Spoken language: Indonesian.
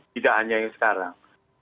tidak hanya yang sekarang